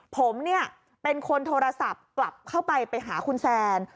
ผมเนี่ยเป็นคนโทรศัพท์กลับเข้าไปไปหาคุณแซน